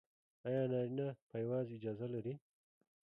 ایا نارینه پایواز اجازه لري؟